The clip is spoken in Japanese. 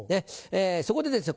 そこでですね